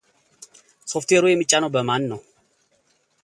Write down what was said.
ሶፍትዌሩ የሚጫነው በማን ነው?